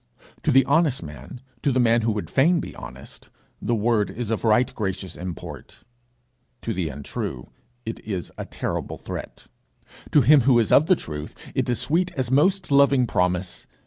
To the honest man, to the man who would fain be honest, the word is of right gracious import. To the untrue, it is a terrible threat; to him who is of the truth, it is sweet as most loving promise.